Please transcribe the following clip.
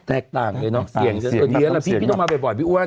แตกต่างเลยเนาะเสียงฉันตอนนี้ล่ะพี่พี่ต้องมาบ่อยพี่อ้วน